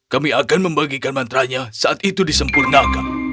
kami akan membagikan mantra nya saat itu disempurnakan